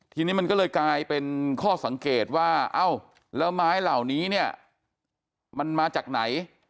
ทีนี้มันก็เลยกลายเป็นข้อสังเกตว่าเอ้าแล้วไม้เหล่านี้เนี่ยมันมาจากไหน